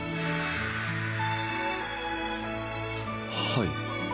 はい